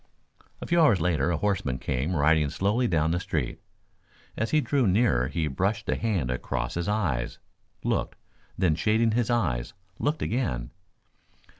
A few hours later a horseman came riding slowly down the street. As he drew nearer he brushed a hand across his eyes, looked, then shading his eyes looked again.